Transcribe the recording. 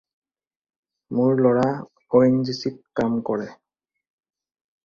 মোৰ ল'ৰা O N G চিত কাম কৰে।